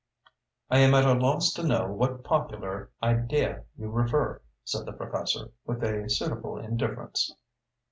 "I am at a loss to know to what popular idea you refer," said the professor, with a suitable indifference.